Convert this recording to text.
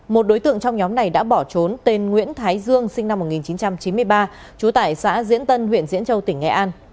một đối tượng trong nhóm này đã bỏ trốn tên nguyễn thái dương sinh năm một nghìn chín trăm chín mươi ba trú tại xã diễn tân huyện diễn châu tỉnh nghệ an